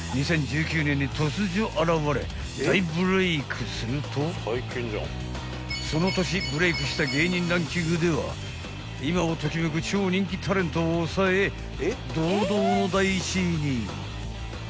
２０１９年に突如現れ大ブレイクするとその年ブレイクした芸人ランキングでは今を時めく超人気タレントを抑え堂々の第１位に］